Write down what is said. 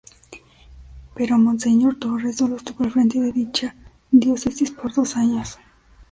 Pero monseñor Torres solo estuvo al frente de dicha diócesis por dos años.